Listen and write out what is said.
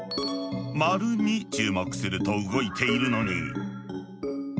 丸に注目すると動いているのに。